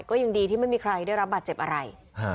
ก็ยังดีที่ไม่มีใครได้รับบาดเจ็บอะไร